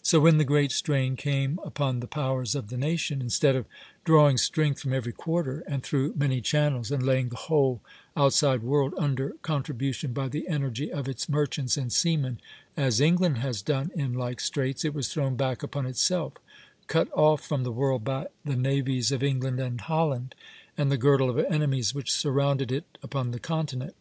So when the great strain came upon the powers of the nation, instead of drawing strength from every quarter and through many channels, and laying the whole outside world under contribution by the energy of its merchants and seamen, as England has done in like straits, it was thrown back upon itself, cut off from the world by the navies of England and Holland, and the girdle of enemies which surrounded it upon the continent.